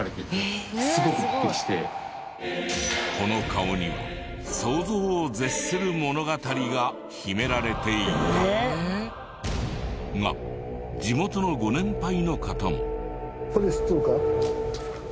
この顔には想像を絶する物語が秘められていたが地元のご年配の方も。